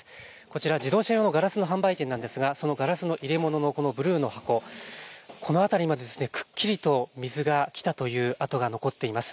こちら、自動車用のガラスの販売店なんですが、そのガラスの入れ物のこのブルーの箱、この辺りまでくっきりと水が来たという跡が残っています。